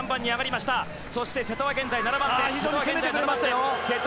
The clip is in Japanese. そして瀬戸は現在７番手。